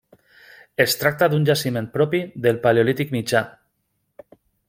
Es tracta d'un jaciment propi del Paleolític mitjà.